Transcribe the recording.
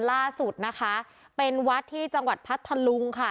ล่าสุดนะคะเป็นวัดที่จังหวัดพัทธลุงค่ะ